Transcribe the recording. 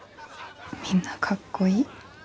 ・みんなかっこいい。